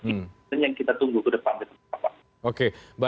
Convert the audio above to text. itu yang kita tunggu ke depan